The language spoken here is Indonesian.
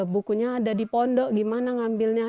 bukunya ada di pondok gimana ngambilnya